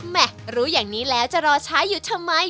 รู้อย่างนี้แล้วจะรอช้าอยู่ทำไม